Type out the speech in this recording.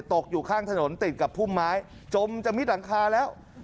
ตกอยู่ข้างถนนติดกับพุ่มไม้จมจะมิดหลังคาแล้ว